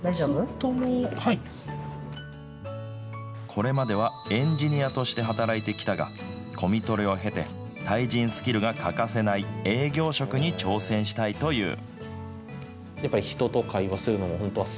これまではエンジニアとして働いてきたが、コミトレを経て、対人スキルが欠かせない営業職に挑戦したいという。